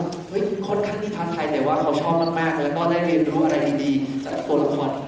เป็นคนขั้นดินทางไทยแต่ว่าเขาชอบมากและก็เรียนรู้อะไรดีจากตัวละคร